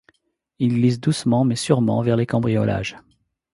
Il glisse doucement mais sûrement vers les cambriolages.